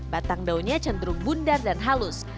batang daunnya cenderung bundar dan halus